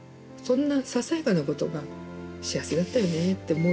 そんな、ささやかなことが幸せだったよねって。